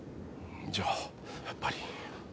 じゃ、やっぱり。